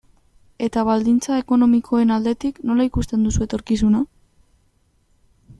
Eta baldintza ekonomikoen aldetik, nola ikusten duzu etorkizuna?